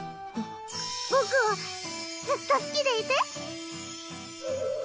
僕をずっと好きでいて。